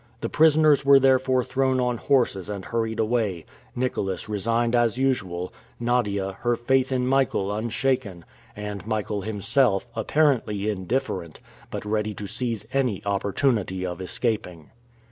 The prisoners were therefore thrown on horses and hurried away; Nicholas resigned as usual, Nadia, her faith in Michael unshaken, and Michael himself, apparently indifferent, but ready to seize any opportunity of escaping.